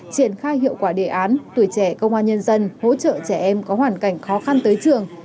triển khai hiệu quả đề án tuổi trẻ công an nhân dân hỗ trợ trẻ em có hoàn cảnh khó khăn tới trường